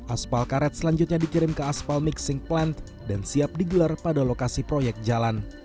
aspal karet selanjutnya dikirim ke aspal mixing plant dan siap digelar pada lokasi proyek jalan